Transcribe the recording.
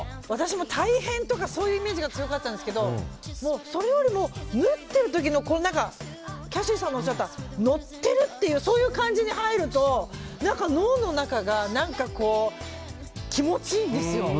私も大変とかそういうイメージが強かったんですけどそれよりも縫ってる時のキャシーさんのおっしゃった乗ってるっていうそういう感じに入ると脳の中が、気持ちいいんですよ。